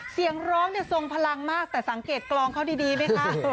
เสียงร้องเนี่ยทรงพลังมากแต่สังเกตกลองเขาดีไหมคะ